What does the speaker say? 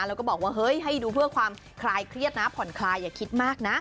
แล้วก็บอกว่าเฮ้ยให้ดูเพื่อความคลายเครียดนะผ่อนคลายอย่าคิดมากนะ